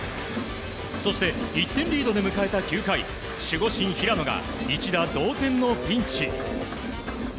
そして、１点リードで迎えた９回守護神・平野が一打同点のピンチ。